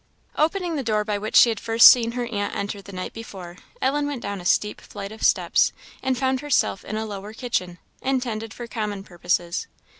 Opening the door by which she had first seen her aunt enter the night before, Ellen went down a steep flight of steps, and found herself in a lower kitchen, intended for common purposes.